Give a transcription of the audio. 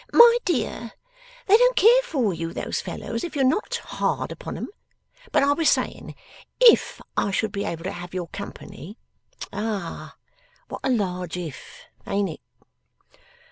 'My dear, they don't care for you, those fellows, if you're NOT hard upon 'em. But I was saying If I should be able to have your company. Ah! What a large If! Ain't it?